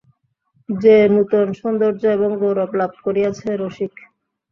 যে নূতন সৌন্দর্য এবং গৌরব লাভ করিয়াছে– রসিক।